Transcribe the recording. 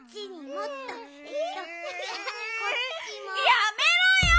やめろよ！